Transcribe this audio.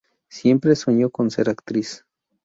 Siempre soñó con ser actriz.